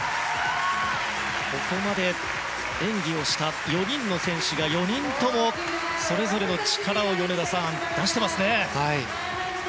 ここまで演技をした４人の選手が４人ともそれぞれの力を出しています。